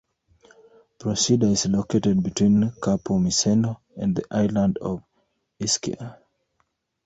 Procida is located between Capo Miseno and the island of Ischia.